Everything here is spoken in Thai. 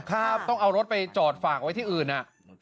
ครับต้องเอารถไปจอดฝากไว้ที่อื่นอ่ะ